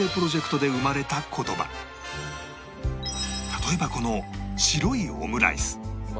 例えばこの白いオムライス